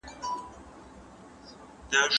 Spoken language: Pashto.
خلګ د عادلانه نظام پلوي کوي.